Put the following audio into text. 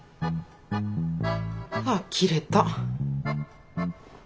あきれた。